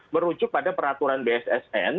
merujuk pada peraturan bssn